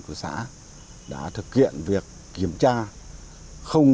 có cara of thảo sáu mươi ba triệu đồng